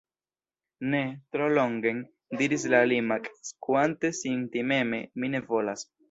"Ne! Tro longen!" diris la limak', skuante sin timeme,"Mi ne volas."